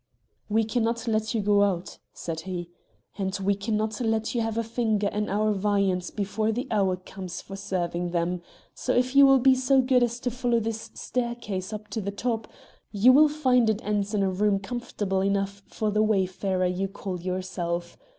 "We can not let you go out," said he; "and we can not let you have a finger in our viands before the hour comes for serving them; so if you will be so good as to follow this staircase to the top, you will find it ends in a room comfortable enough for the wayfarer you call yourself.